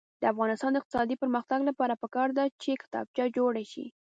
د افغانستان د اقتصادي پرمختګ لپاره پکار ده چې کتابچې جوړې شي.